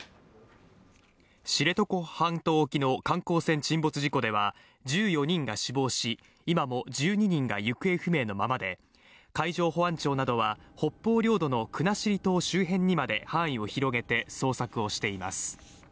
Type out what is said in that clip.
知床半島沖の観光船沈没事故では１４人が死亡し今も１２人が行方不明のままで海上保安庁などは北方領土の国後島周辺にまで範囲を広げて捜索をしています。